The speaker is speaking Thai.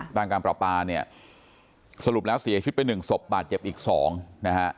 ท่านผู้ชมมาเนี่ยสรุปแล้วเสียชุดไป๑ศพบาดเจ็บอีก๒นะฮะ